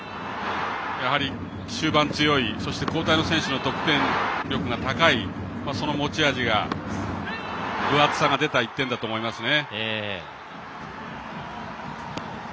やはり、終盤強いそして、交代の選手の得点力が高いその持ち味が分厚さが出た１点だと思いますね。